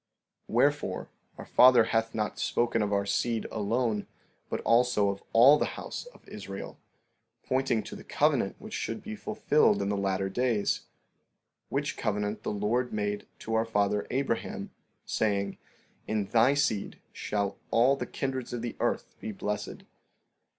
15:18 Wherefore, our father hath not spoken of our seed alone, but also of all the house of Israel, pointing to the covenant which should be fulfilled in the latter days; which covenant the Lord made to our father Abraham, saying: In thy seed shall all the kindreds of the earth be blessed.